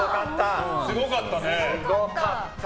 すごかった！